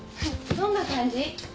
どんな感じ？